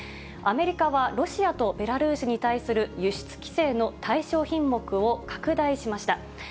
アメリカは、ロシアとベラルーシに対する輸出規制の対象品目を拡大しました。